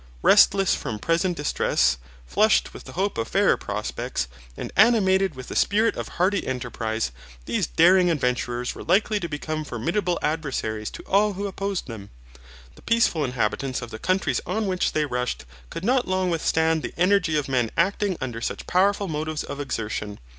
Restless from present distress, flushed with the hope of fairer prospects, and animated with the spirit of hardy enterprise, these daring adventurers were likely to become formidable adversaries to all who opposed them. The peaceful inhabitants of the countries on which they rushed could not long withstand the energy of men acting under such powerful motives of exertion.